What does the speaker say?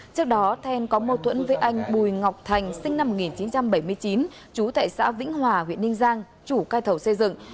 trước đó then có mâu thuẫn với anh bùi ngọc thành sinh năm một nghìn chín trăm bảy mươi chín chú tại xã vĩnh hòa huyện ninh giang chủ cai thầu xây dựng